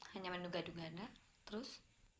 hanya menunggah dunggah nad terus